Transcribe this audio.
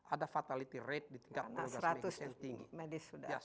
ada fatality rate di tingkat medis yang tinggi